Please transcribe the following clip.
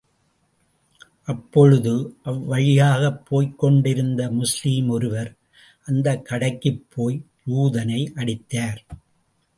அப்பொழுது அவ்வழியாகப் போய்க் கொண்டிருந்த முஸ்லிம் ஒருவர், அந்தக் கடைக்குப் போய் யூதனை அடித்தார்.